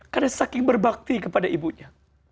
karena saking berbakti kepada ibunya